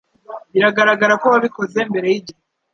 Biragaragara ko wabikoze mbere yigihe